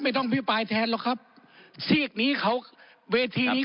ครับครับครับครับครับครับครับครับครับครับครับครับครับครับครับ